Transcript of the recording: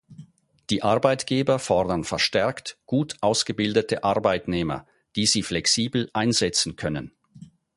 Die Arbeitgeber fordern verstärkt gut ausgebildete Arbeitnehmer, die sie flexibel einsetzen können.